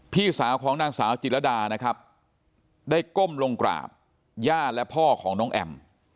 พี่สาวของนางสาวจิรดานะครับได้ก้มลงกราบย่าและพ่อของน้องแอม